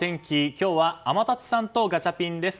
今日は天達さんとガチャピンです。